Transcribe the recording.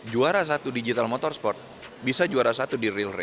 juara satu digital motorsport bisa juara satu di real rate